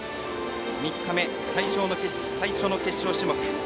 ３日目、最初の決勝種目。